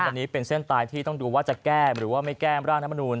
วันนี้เป็นเส้นตายที่ต้องดูว่าจะแก้หรือว่าไม่แก้ร่างรัฐมนูล